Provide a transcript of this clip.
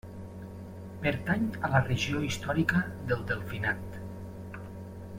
Pertany a la regió històrica del Delfinat.